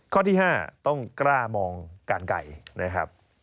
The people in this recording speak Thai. ข้อที่๕ต้องกล้ามองการไก่นะครับ